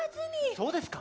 そうですか？